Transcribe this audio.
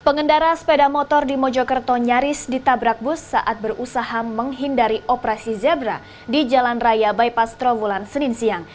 pengendara sepeda motor di mojokerto nyaris ditabrak bus saat berusaha menghindari operasi zebra di jalan raya bypass trawulan senin siang